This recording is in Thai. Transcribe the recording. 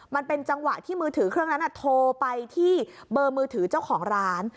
มันเป็นจังหวะที่มือถือเครื่องนั้นโทรไปที่เบอร์มือถือเจ้าของร้าน